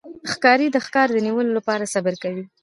ښکاري د ښکار د نیولو لپاره صبر کوي.